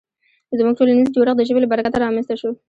زموږ ټولنیز جوړښت د ژبې له برکته رامنځ ته شو.